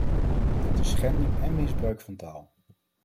Dat is schending en misbruik van taal.